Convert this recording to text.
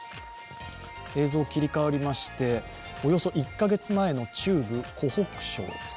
映像、切り替わりまして、およそ１カ月前の中部・湖北省です。